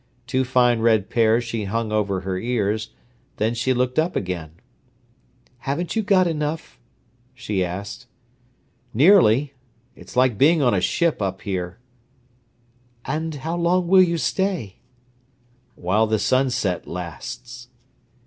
Two fine red pairs she hung over her ears; then she looked up again. "Haven't you got enough?" she asked. "Nearly. It is like being on a ship up here." "And how long will you stay?" "While the sunset lasts."